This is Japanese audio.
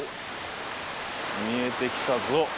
見えてきたぞ。